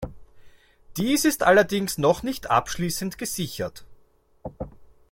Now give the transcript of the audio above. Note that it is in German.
Dies ist allerdings noch nicht abschließend gesichert.